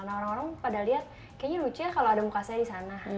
nah orang orang pada lihat kayaknya lucu ya kalau ada muka saya di sana